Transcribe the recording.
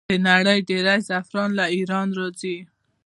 د نړۍ ډیری زعفران له ایران راځي.